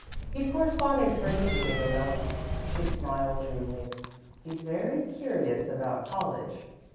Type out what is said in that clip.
"He's corresponding for a newspaper, though." She smiled dreamily. "He's very curious about college."